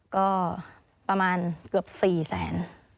ก็ประมาณเกือบ๔แสน